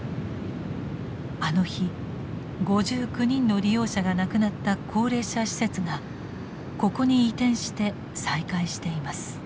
あの日５９人の利用者が亡くなった高齢者施設がここに移転して再開しています。